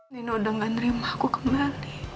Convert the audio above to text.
nino udah gak nerima aku kembali